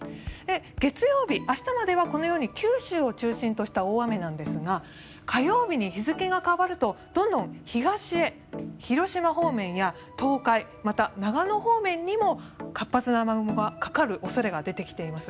月曜日、明日まではこのように九州を中心とした大雨なんですが火曜日に日付が変わるとどんどん東へ、広島方面や東海また、長野方面にも活発な雨雲がかかる恐れが出てきています。